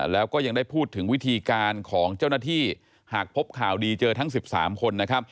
แล้วก็ยังได้พูดถึงวิธีการของเจ้าหน้าที่หากพบข่าวดีเจอทั้ง๑๓คนนะครับ